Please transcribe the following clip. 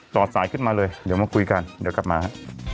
อดสายขึ้นมาเลยเดี๋ยวมาคุยกันเดี๋ยวกลับมาฮะ